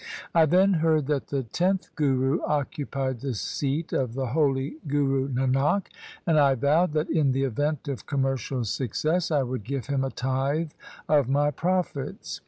I then heard that the tenth Guru occupied the seat of the holy Guru Nanak, and I vowed that in the event of commercial success I would give him a tithe of my profits.